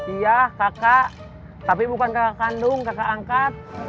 iya kakak tapi bukan kakak kandung kakak angkat